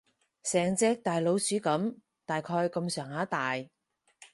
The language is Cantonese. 成隻大老鼠噉，大概噉上下大